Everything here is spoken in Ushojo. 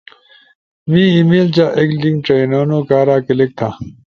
می ای میل جا ایک لنک ڇئینونو کارا کلک تھا،